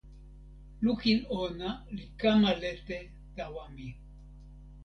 lukin ona li kama lete tawa mi.